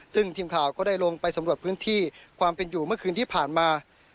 ซึ่งทีมข่าวก็ได้ลงไปสำรวจพื้นที่ความเป็นอยู่เมื่อคืนที่ผ่านมา